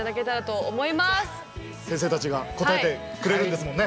先生たちが答えてくれるんですもんね？